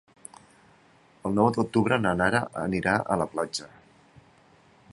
El nou d'octubre na Nara anirà a la platja.